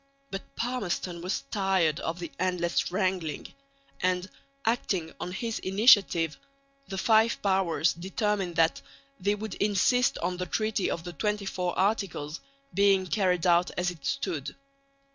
But Palmerston was tired of the endless wrangling; and, acting on his initiative, the Five Powers determined that they would insist on the Treaty of the XXIV Articles being carried out as it stood.